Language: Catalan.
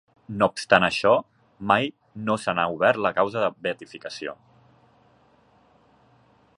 No obstant això, mai no se n'ha obert la causa de beatificació.